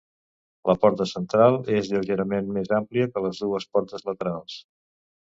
La porta central és lleugerament més àmplia que les dues portes laterals.